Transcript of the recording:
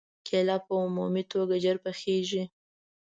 کېله په عمومي توګه ژر پخېږي.